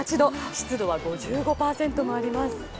湿度は５５％もあります。